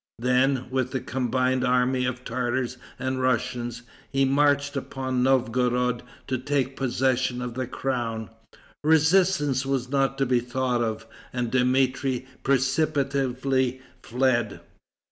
Then, with a combined army of Tartars and Russians, he marched upon Novgorod to take possession of the crown. Resistance was not to be thought of, and Dmitri precipitately fled.